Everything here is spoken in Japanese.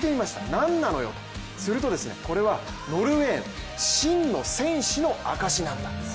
何なのよと、するとこれはノルウェーの真の戦士の証しなんだと。